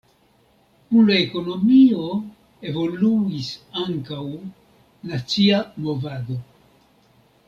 Kun la ekonomio evoluis ankaŭ nacia movado.